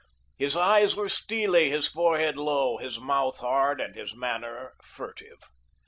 His eyes were steely, his forehead low, his mouth hard and his manner furtive.